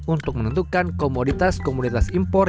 untuk menentukan komoditas komoditas impor